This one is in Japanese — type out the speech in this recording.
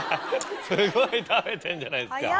すごい食べてるじゃないですか